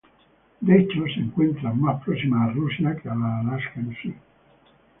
De hecho, se encuentran más próximas a Rusia que a Alaska en sí.